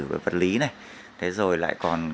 về vật lý này thế rồi lại còn